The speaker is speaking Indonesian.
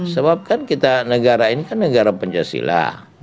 sebab kan kita negara ini kan negara pancasila